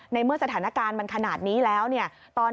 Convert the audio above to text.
ในเมื่อสถานการณ์มันขนาดนี้แล้วเนี่ย